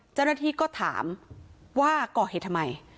เจ้าหน้าที่ก็ถามว่าก่อเหตุทำไม